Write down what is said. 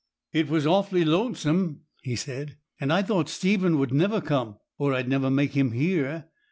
'It was awfully lonesome,' he said, 'and I thought Stephen would never come, or I'd never make him hear.